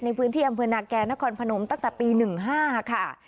ในพื้นที่อำเภอนาแก่นครพนมตั้งแต่ปี๑๕ค่ะ